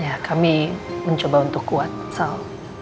ya kami mencoba untuk kuat sal